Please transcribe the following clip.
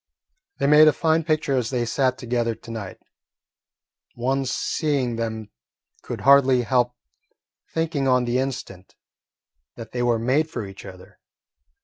They made a fine picture as they sat together to night. One seeing them could hardly help thinking on the instant that they were made for each other.